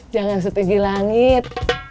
jangan setinggi langit